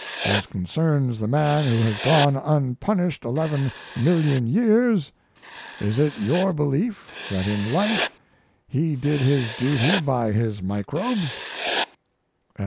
As concerns the man who has gone unpunished eleven million years, is it your belief that in life he did his duty by his microbes?